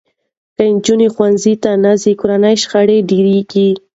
که نجونې ښوونځي ته نه ځي، کورني شخړې ډېرېږي.